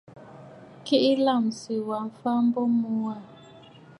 Keʼe lâmsì wa mfa a mbo mu wâ.